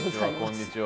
こんにちは。